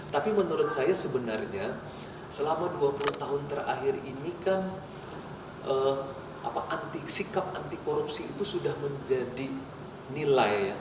tapi menurut saya sebenarnya selama dua puluh tahun terakhir ini kan sikap anti korupsi itu sudah menjadi nilai